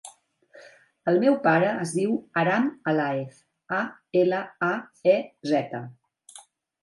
El meu pare es diu Aram Alaez: a, ela, a, e, zeta.